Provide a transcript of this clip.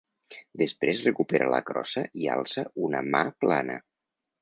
Després recupera la crossa i alça una mà plana.